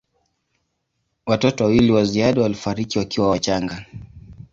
Watoto wawili wa ziada walifariki wakiwa wachanga.